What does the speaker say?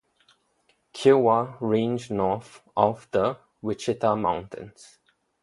Kiowa ranged north of the Wichita Mountains.